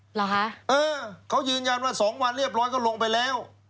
เหรอคะเออเขายืนยันว่าสองวันเรียบร้อยก็ลงไปแล้ว